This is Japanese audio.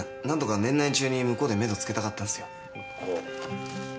何とか年内中に向こうでめど付けたかったんすよ。